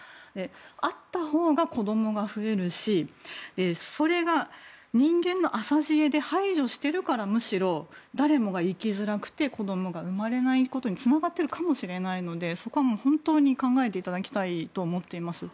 あったほうが子供が増えるしそれが人間の浅知恵で排除しているからむしろ、誰もが生きづらくて子供が生まれないことにつながっているかもしれないのでそこは本当に考えていただきたいと思っています。